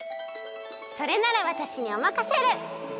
それならわたしにおまかシェル！